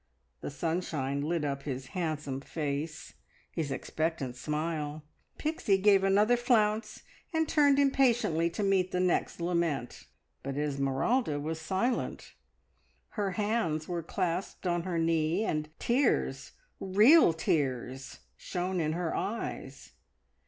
The sunshine lit up his handsome face, his expectant smile. Pixie gave another flounce and turned impatiently to meet the next lament; but Esmeralda was silent, her hands were clasped on her knee, and tears real tears shone in her eyes.